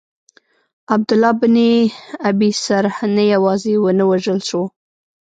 عبدالله بن ابی سرح نه یوازي ونه وژل سو.